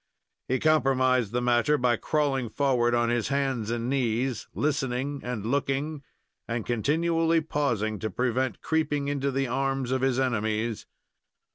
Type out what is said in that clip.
He compromised the matter by crawling forward on his hands and knees, listening and looking, and continually pausing to prevent creeping into the arms of his enemies.